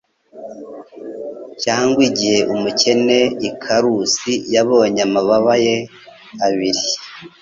cyangwa igihe umukene Icarus yabonye amababa ye abiri